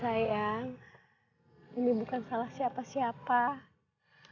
mungkin ini memang jalan yang terbaik